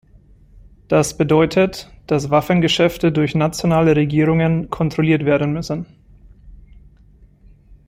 Das bedeutet, dass Waffengeschäfte durch nationale Regierungen kontrolliert werden müssen.